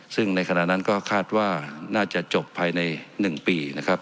ซึ่งในขณะนั้นก็คาดว่าน่าจะจบภายใน๑ปีนะครับ